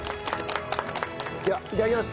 ではいただきます。